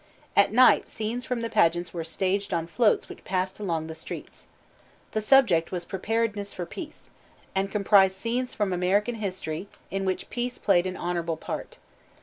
At night scenes from the pageant were staged on floats which passed along the streets. The subject was Preparedness for Peace, and comprised scenes from American history in which peace played an honorable part.